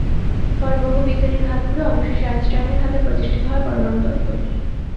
পরে বহু বিজ্ঞানীর হাত ঘুরে অবশেষে আইনস্টাইনের হাতে প্রতিষ্ঠিত হয় পরমাণু তত্ত্ব।